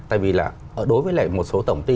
tại vì là đối với lại một số tổng ty